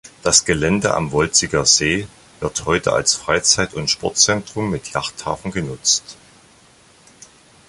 Das Gelände am Wolziger See wird heute als Freizeit- und Sportzentrum mit Yachthafen genutzt.